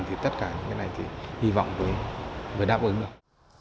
thì tất cả những cái này thì hy vọng mới đáp ứng được